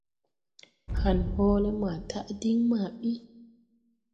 Han hɔɔlɛ maa taʼ diŋ maa ɓi.